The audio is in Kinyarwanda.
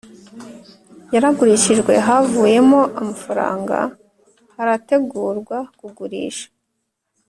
Yaragurishijwe havuyemo frw harategurwa kugurisha